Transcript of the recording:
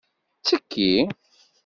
Ttekki!